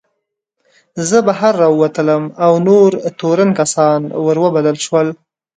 زه بهر راووتلم او نور تورن کسان ور وبلل شول.